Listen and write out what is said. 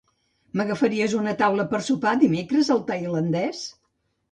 M'agafaries una taula per sopar dimecres al tailandès?